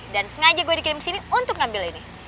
dan sengaja gue dikirim kesini untuk ngambil ini